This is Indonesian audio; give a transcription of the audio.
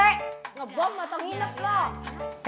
ngebom atau nginep lu